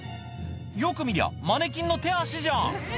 よく見りゃマネキンの手足じゃん